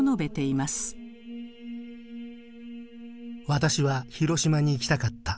「私は広島に行きたかった。